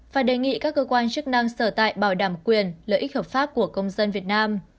và đề nghị các cơ quan chức năng sở tại bảo đảm quyền lợi ích hợp pháp của công dân việt nam